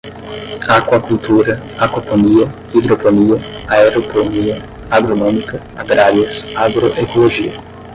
aquacultura, aquaponia, hidroponia, aeroponia, agronômica, agrárias, agroecologia